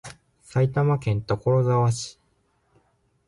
埼玉県所沢市